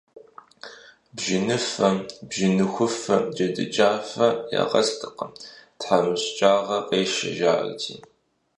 Бжьыныфэ, бжьыныхуфэ, джэдыкӀафэ ягъэстэкъым, тхьэмыщкӀагъэ къешэ, жаӀэрти.